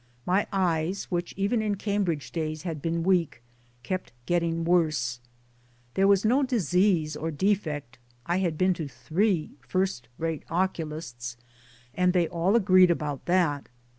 My eyes, which even in Cambridge days had been weak, kept getting worse. There was no disease or defect I had been to three first rate oculists and they all agreed about that.